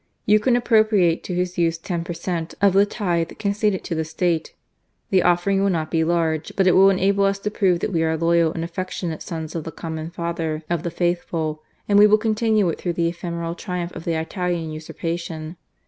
You can appropriate to his use ten per cent, of the tithe conceded to the State. The offer ing will not be large, but it will enable us to prove that we are loyal and affectionate sons of the common Father of the Faithful, and we will continue it through the ephemeral triumph of the Italian usurpation.